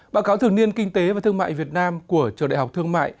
báo cáo thường niên kinh tế và thương mại việt nam của trường đại học thương mại